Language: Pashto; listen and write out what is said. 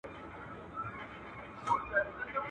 آذان پردی، چړي پردی وي خپل مُلا نه لري.